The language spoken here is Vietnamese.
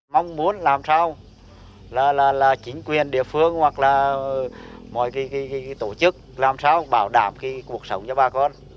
mong muốn làm sao là chính quyền địa phương hoặc là mọi tổ chức làm sao bảo đảm cuộc sống cho bà con